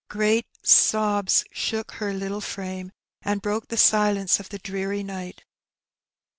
Great sobs shook her httle frame, and broke the silence of the dreary night.